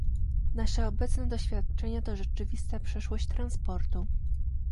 Nasze obecne doświadczenia to rzeczywista przyszłość transportu